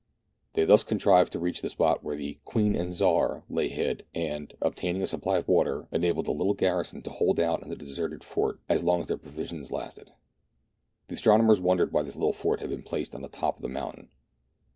They thus contrived to reach the spot where the "Queen and Czar'' lay hid, and, obtaining a supply of water, enabled the little garrison to hold out in the deserted fort as long as their provisions lasted. The astronomers wondered why this little fort had been placed on the top of the mountain.